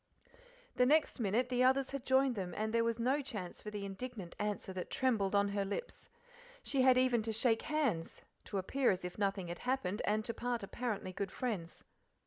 The next minute the others had joined them, and there was no chance for the indignant answer that trembled on her lips. She had even to shake hands, to appear as if nothing had happened, and to part apparently good friends.